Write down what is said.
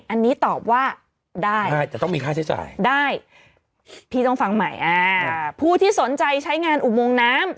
อันนี้ตอบว่าได้ได้พี่ต้องฟังใหม่พูดที่สนใจใช้งานอุโมงน้ำ